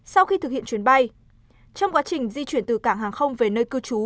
sau khi thực hiện chuyến bay trong quá trình di chuyển từ cảng hàng không về nơi cư trú